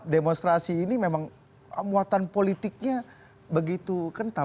demonstrasi ini memang muatan politiknya begitu kental